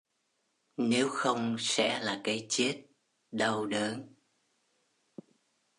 Nếu không sẽ là cái chết đau đớn